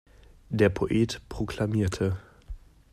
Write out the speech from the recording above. Der Poet proklamierte.